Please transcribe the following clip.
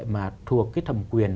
mà thuộc cái thầm quyền